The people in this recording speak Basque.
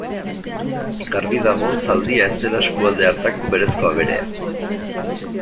Garbi dago zaldia ez dela eskualde hartako berezko aberea.